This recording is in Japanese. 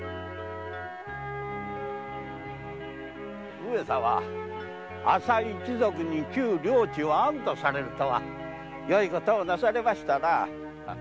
上様朝井一族に旧領地を安どされるとはよい事をなされましたな。